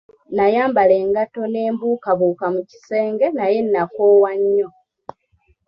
Nayambala engatto ne mbukabuuka mu kisenge naye nakoowa nnyo.